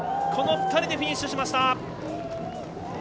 この２人でフィニッシュしました。